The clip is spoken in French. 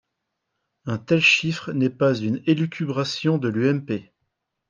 Un tel chiffre n’est pas une élucubration de l’UMP.